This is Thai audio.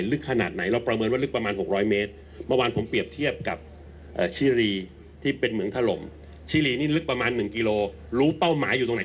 เราไม่รู้เลยว่าตราเก็ตเราอยู่ตรงไหน